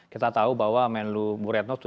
kita tahu bahwa menlu buretno